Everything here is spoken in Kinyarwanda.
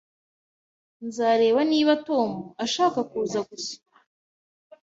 Nzareba niba Tom ashaka kuza gusura.